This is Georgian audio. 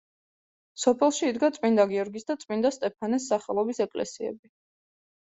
სოფელში იდგა წმინდა გიორგის და წმინდა სტეფანეს სახელობის ეკლესიები.